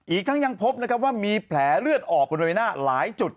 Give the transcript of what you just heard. อีกทั้งยังพบนะครับว่ามีแผลเลือดออกบริเวณหน้าหลายจุด